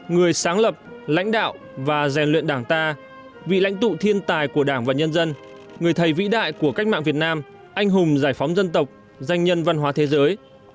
người sáng lập lãnh đạo và rèn luyện đảng ta vị lãnh tụ thiên tài của đảng và nhân dân người thầy vĩ đại của cách mạng việt nam anh hùng giải phóng dân tộc danh nhân văn hóa thế giới